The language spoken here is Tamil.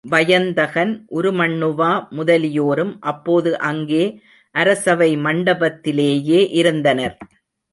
வயந்தகன், உருமண்ணுவா முதலியோரும் அப்போது அங்கே அரசவை மண்டபத்திலேயே இருந்தனர்.